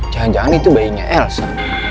jangan jangan itu bayinya elsa